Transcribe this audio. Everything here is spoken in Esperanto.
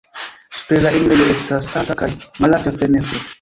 Super la enirejo estas alta kaj mallarĝa fenestro.